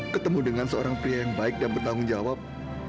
ketemu dengan seorang pria yang baik dan bertanggung jawab